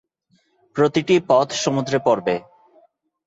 প্রতিটি পথ সমুদ্রে পড়বে।